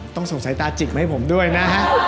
ต้องส่งสายตาจิกมาให้ผมด้วยนะฮะ